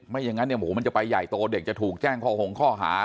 อย่างนั้นเนี่ยโอ้โหมันจะไปใหญ่โตเด็กจะถูกแจ้งข้อหงข้อหา